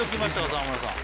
沢村さん。